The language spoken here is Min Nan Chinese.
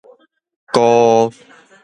怙